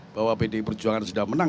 bahwa pdi perjuangan sudah menang